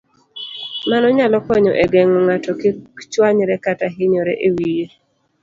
Mano nyalo konyo e geng'o ng'ato kik chwanyre kata hinyore e wiye.